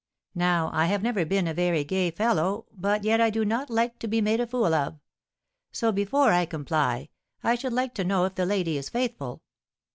Now I have never been a very gay fellow, but yet I do not like to be made a fool of; so, before I comply, I should like to know if the lady is faithful.